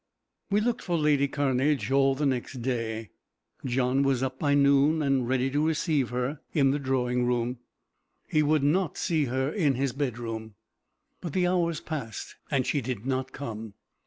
We looked for lady Cairnedge all the next day. John was up by noon, and ready to receive her in the drawing room; he would not see her in his bedroom. But the hours passed, and she did not come.